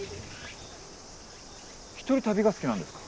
一人旅が好きなんですか？